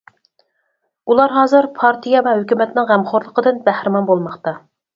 ئۇلار ھازىر پارتىيە ۋە ھۆكۈمەتنىڭ غەمخورلۇقىدىن بەھرىمەن بولماقتا.